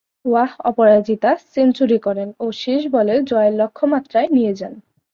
ওয়াহ অপরাজিত সেঞ্চুরি করেন ও শেষ বলে জয়ের লক্ষ্যমাত্রায় নিয়ে যান।